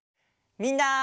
みんな！